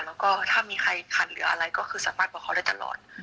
แล้วก็ถ้ามีใครขัดหรืออะไรก็คือสามารถบอกเขาได้ตลอด